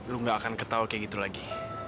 lu gak akan ketawa kayak gitu lagi